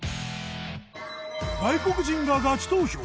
外国人がガチ投票！